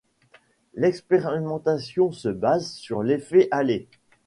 L'expérimentation se base sur l'effet Allee.